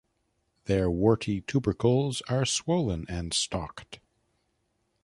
Their warty tubercles are swollen and stalked.